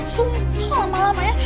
sumpah lama lama ya